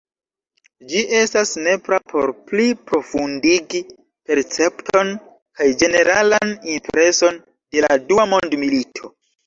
Ĝi estas nepra por pli profundigi percepton kaj ĝeneralan impreson de la dua mondmilito.